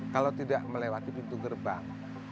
kalau tidak melewati pintu gerbang